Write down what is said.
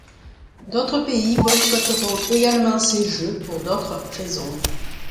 D'autres pays boycotteront également ces jeux pour d'autres raisons.